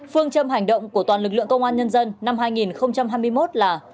phương châm hành động của toàn lực lượng công an nhân dân năm hai nghìn hai mươi một là